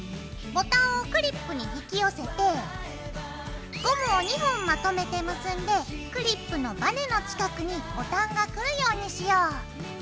ボタンをクリップに引き寄せてゴムを２本まとめて結んでクリップのばねの近くにボタンが来るようにしよう。